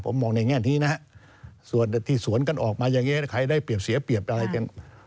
ผมมองในแง่นี้นะฮะส่วนที่สวนกันออกมาอย่างนี้ใครได้เปรียบเสียเปรียบอะไรกัน